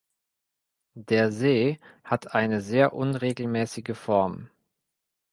Der See hat eine sehr unregelmäßige Form.